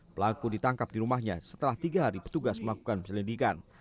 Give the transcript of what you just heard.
pelaku ditangkap di rumahnya setelah tiga hari petugas melakukan penyelidikan